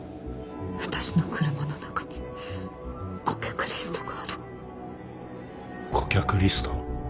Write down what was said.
私の車の中に顧客リストがある顧客リスト？